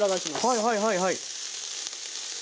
はいはいはいはい。